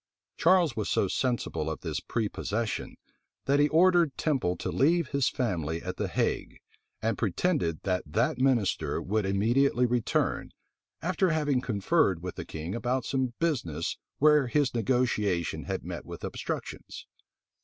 Charles was so sensible of this prepossession, that he ordered Temple to leave his family at the Hague, and pretended that that minister would immediately return, after having conferred with the king about some business where his negotiation had met with obstructions.